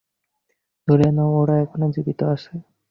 ধরেই নাও ওরা এখনো জীবিত আছে।